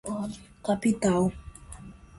capital